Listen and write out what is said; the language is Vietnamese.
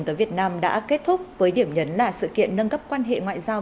tới việt nam đã kết thúc với điểm nhấn là sự kiện nâng cấp quan hệ ngoại giao